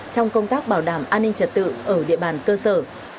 trong công tác bảo đảm an ninh trật tự ở địa bàn cơ sở